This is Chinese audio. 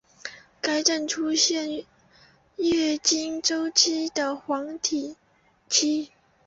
该症出现于月经周期的黄体期。